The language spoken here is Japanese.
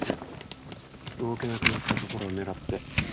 動けなくなったところを狙って刺し殺せ。